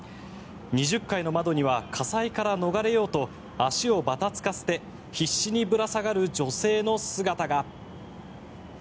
２０階の窓には火災から逃れようと足をばたつかせて必死にぶら下がる女性の姿が。